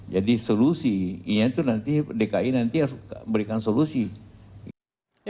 jadi solusi dki nanti akan memberikan solusi